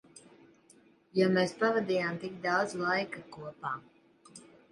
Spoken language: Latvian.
Jo mēs pavadījām tik daudz laika kopā.